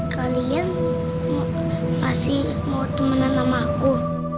kalian masih mau temenan sama aku